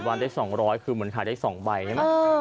วันได้๒๐๐คือเหมือนขายได้๒ใบใช่ไหม